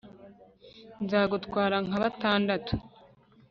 nzagutwara nka batandatu